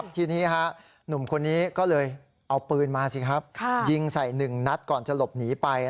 ทีนี้หนุ่มคนนี้ก็เลยเอาปืนมาสิครับยิงใส่๑นัดก่อนจะหลบหนีไป